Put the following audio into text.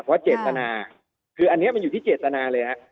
ว่าเจตนาคืออันนี้มันอยู่ที่เจตนาเลยนะครับ